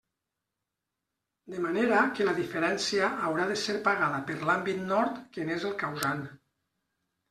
De manera que la diferència haurà de ser pagada per l'àmbit nord que n'és el causant.